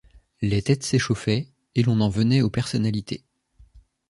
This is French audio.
Les têtes s’échauffaient, et l’on en venait aux personnalités.